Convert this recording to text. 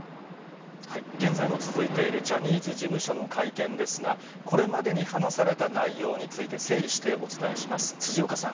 現在も続いているジャニーズ事務所の会見ですが、これまでに話された内容について、整理してお伝えします。